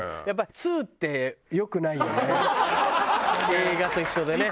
映画と一緒でね。